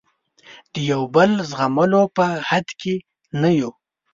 د یو بل زغملو په حد کې نه یو.